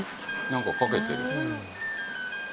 なんかかけてる。